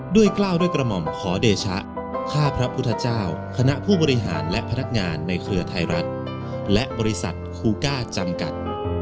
กล้าวด้วยกระหม่อมขอเดชะข้าพระพุทธเจ้าคณะผู้บริหารและพนักงานในเครือไทยรัฐและบริษัทคูก้าจำกัด